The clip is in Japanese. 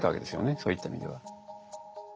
そういった意味では。